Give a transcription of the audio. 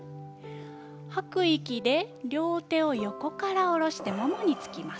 吐く息で両手を横から下ろしてももにつけます。